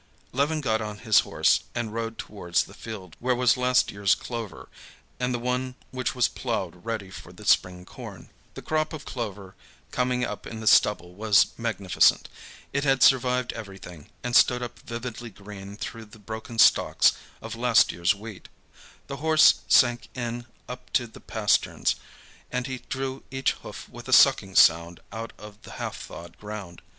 Levin got on his horse and rode towards the field where was last year's clover, and the one which was ploughed ready for the spring corn. The crop of clover coming up in the stubble was magnificent. It had survived everything, and stood up vividly green through the broken stalks of last year's wheat. The horse sank in up to the pasterns, and he drew each hoof with a sucking sound out of the half thawed ground.